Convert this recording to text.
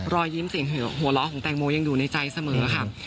รอยยิ้มเสียงหัวเราะของแตงโมยังอยู่ในใจเสมอค่ะ